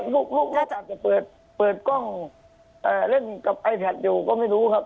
ฮะลูกอาจจะเปิดเปิดกล้องเล่นกับไอแพ็บอยู่ก็ไม่รู้ครับ